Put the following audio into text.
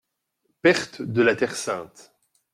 - Perte de la terre sainte.